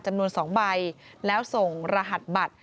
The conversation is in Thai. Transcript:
จำนวน๒ใบแล้วส่งรหัสบัตร